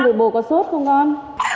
thì bố có suốt không con